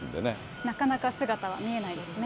なかなか姿、見えないですね。